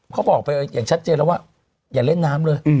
เขาบอกไปอย่างชัดเจนแล้วว่าอย่าเล่นน้ำเลย